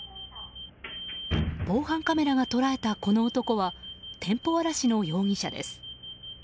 防犯カメラが捉えたこの男は店舗荒らしの容疑者です。